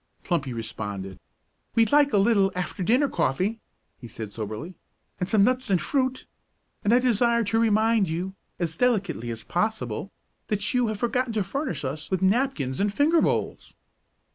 Plumpy responded. "We'd like a little after dinner coffee," he said soberly, "and some nuts and fruit; and I desire to remind you, as delicately as possible, that you have forgotten to furnish us with napkins and finger bowls."